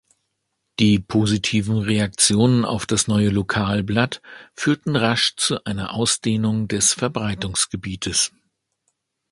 Die positiven Reaktionen auf das neue Lokalblatt führten rasch zu einer Ausdehnung des Verbreitungsgebietes.